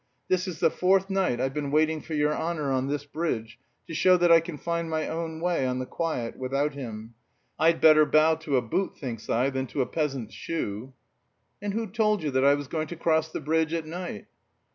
This is the fourth night I've been waiting for your honour on this bridge, to show that I can find my own way on the quiet, without him. I'd better bow to a boot, thinks I, than to a peasant's shoe." "And who told you that I was going to cross the bridge at night?"